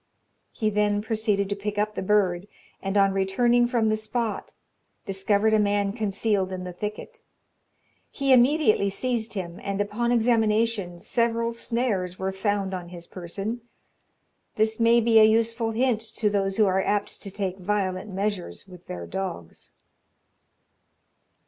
He then proceeded to pick up the bird, and on returning from the spot, discovered a man concealed in the thicket. He immediately seized him, and upon examination, several snares were found on his person. This may be a useful hint to those who are apt to take violent measures with their dogs.